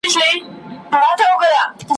هر شعر باید پیغام ولري ,